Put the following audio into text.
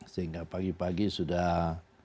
sehingga pagi pagi sudah